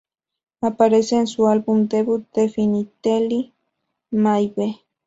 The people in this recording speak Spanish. Aparece en su álbum debut, "Definitely Maybe".